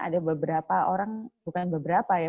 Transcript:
ada beberapa orang bukan beberapa ya